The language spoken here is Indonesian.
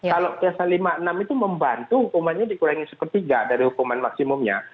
kalau pasal lima puluh enam itu membantu hukumannya dikurangi sepertiga dari hukuman maksimumnya